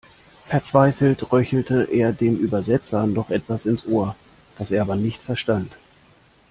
Verzweifelt röchelte er dem Übersetzer noch etwas ins Ohr, das er aber nicht verstand.